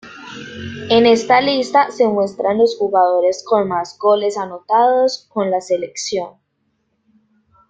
En esta lista se muestran los jugadores con más goles anotados con la selección.